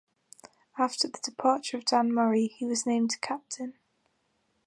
After the departure of Dan Murray, he was named captain.